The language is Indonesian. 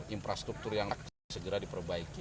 infrastruktur yang segera diperbaiki